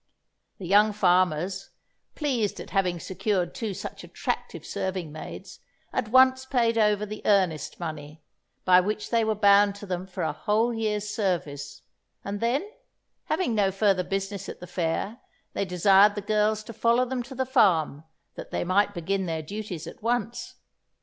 The young farmers, pleased at having secured two such attractive serving maids, at once paid over the earnest money, by which they were bound to them for a whole year's service, and then, having no further business at the fair, they desired the girls to follow them to the farm, that they might begin their duties at once.